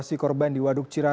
dian firmansyah purwakarta